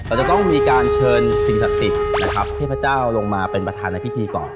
เราจะต้องมีการเชิญสิ่งศักดิ์สิทธิ์นะครับเทพเจ้าลงมาเป็นประธานในพิธีก่อน